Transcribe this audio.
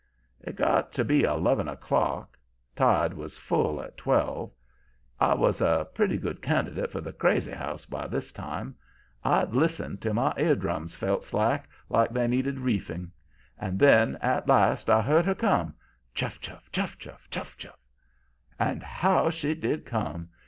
"It got to be eleven o'clock. Tide was full at twelve. I was a pretty good candidate for the crazy house by this time. I'd listened till my ear drums felt slack, like they needed reefing. And then at last I heard her coming CHUFF chuff! CHUFF chuff! CHUFF chuff! "And HOW she did come!